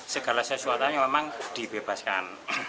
segala sesuatunya memang dibebaskan